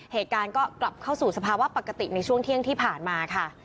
เหตุการณ์ก็กลับเข้าสู่สภาวะปกติในช่วงเที่ยงที่ผ่านมาค่ะ